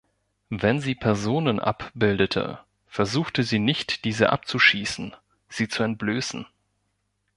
Wenn sie Personen abbildete, versuchte sie nicht diese „abzuschießen“, sie zu „entblößen“.